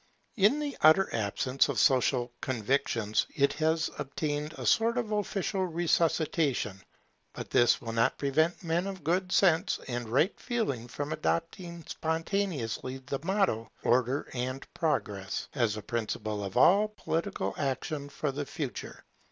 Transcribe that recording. In the utter absence of social convictions, it has obtained a sort of official resuscitation; but this will not prevent men of good sense and right feeling from adopting spontaneously the motto Order and Progress, as the principle of all political action for the future.